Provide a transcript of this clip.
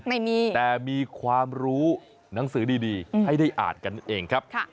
ไม่มีแต่มีความรู้หนังสือดีให้ได้อ่านกันเองครับ